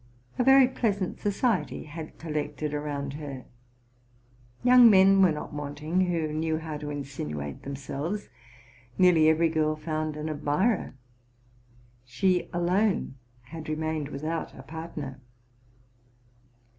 A very pleasant society had collected around her: young men were not wanting who knew how to insinuate themselves ; nearly every girl found an admirer; she alone had remained without a partner.